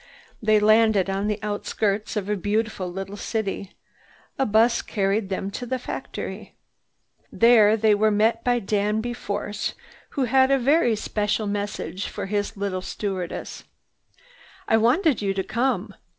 They landed on the outskirts of a beautiful little city. A bus carried them to the factory. There they were met by Danby Force who had a very special message for the little stewardess. "I wanted you to come."